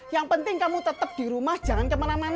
yang penting kamu tetap di rumah jangan kemana mana